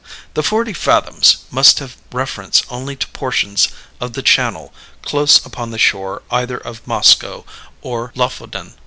The "forty fathoms" must have reference only to portions of the channel close upon the shore either of Moskoe or Lofoden.